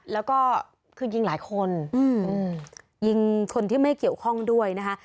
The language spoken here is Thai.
แล้วก็คือยิงหลายคนยิงคนที่ไม่เกี่ยวข้องด้วยนะคะ